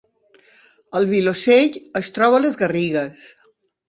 El Vilosell es troba a les Garrigues